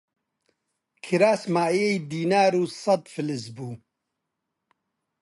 کراس مایەی دینار و سەت فلس بوو